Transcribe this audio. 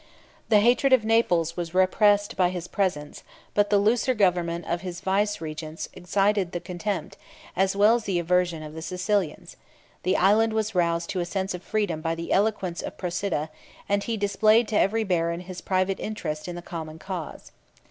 The hatred of Naples was repressed by his presence; but the looser government of his vicegerents excited the contempt, as well as the aversion, of the Sicilians: the island was roused to a sense of freedom by the eloquence of Procida; and he displayed to every baron his private interest in the common cause.